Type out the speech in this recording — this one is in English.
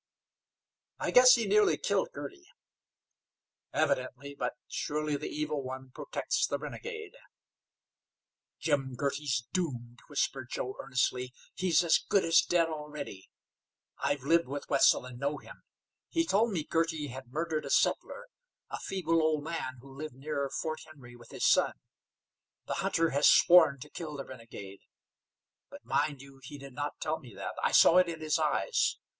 "I guess he nearly killed Girty." "Evidently, but surely the evil one protects the renegade." "Jim Girty's doomed," whispered Joe, earnestly. "He's as good as dead already. I've lived with Wetzel, and know him. He told me Girty had murdered a settler, a feeble old man, who lived near Fort Henry with his son. The hunter has sworn to kill the renegade; but, mind you, he did not tell me that. I saw it in his eyes.